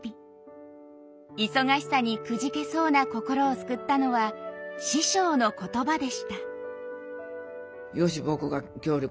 忙しさにくじけそうな心を救ったのは師匠の言葉でした。